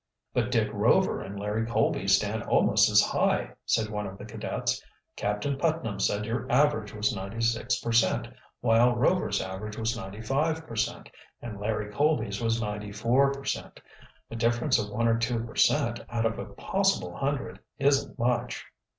"But Dick Rover and Larry Colby stand almost as high," said one of the cadets. "Captain Putnam said your average was 96 per cent., while Rover's average was 95 per cent., and Larry Colby's was 94 per cent. A difference of one or two per cent. out of a possible hundred isn't much."